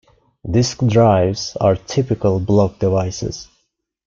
Disk drives are typical block devices.